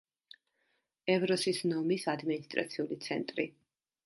ევროსის ნომის ადმინისტრაციული ცენტრი.